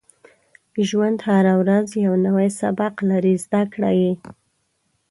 • ژوند هره ورځ یو نوی سبق لري، زده کړه یې.